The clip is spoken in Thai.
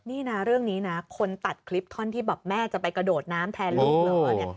นี่นะเรื่องนี้นะคนตัดคลิปท่อนที่แบบแม่จะไปกระโดดน้ำแทนลูกเหรอเนี่ย